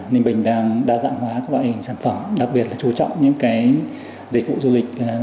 ninh bình đang đa dạng hóa các loại hình sản phẩm đặc biệt là chú trọng những dịch vụ du lịch